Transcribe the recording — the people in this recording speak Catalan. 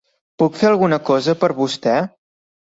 Puc fer alguna cosa per vostè?